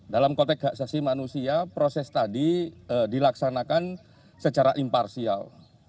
dalam kotek haksasi manusia proses tadi dilaksanakan secara imparsial